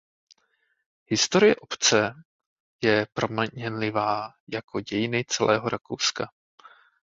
Historie obce je proměnlivá jako dějiny celého Rakouska.